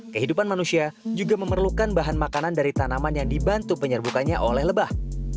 kehidupan manusia juga memerlukan bahan makanan dari tanaman yang dibantu penyerbukannya oleh lebah